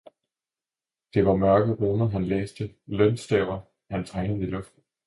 det var mørke Runer, han læste, Lønstaver, han tegnede i Luften!